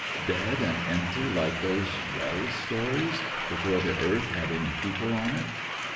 Dead and empty like those Wells stories— before the earth had any people on it.